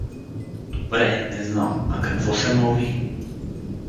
Добре не знам… — А какво се мълви?